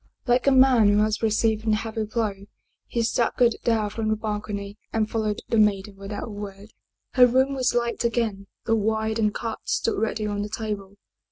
Like a man who has received a heavy blow he staggered down from the balcony and followed the maiden without a word. Her room was light again, the wine and cards stood ready on the table.